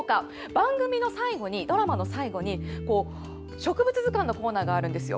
番組の最後に「植物図鑑」のコーナーがあるんですよ。